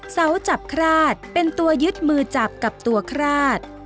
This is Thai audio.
เสาจับคราดเป็นตัวยึดมือจับกับตัวคราด